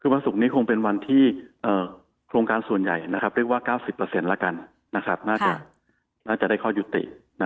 คือวันศุกร์นี้คงเป็นวันที่โครงการส่วนใหญ่เรียกว่า๙๐แล้วกันน่าจะได้ข้อยุติ